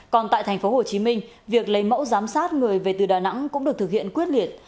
còn tại tp hcm việc lấy mẫu giám sát người về từ đà nẵng cũng được thực hiện quyết liệt